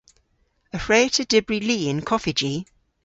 Y hwre'ta dybri li yn koffiji.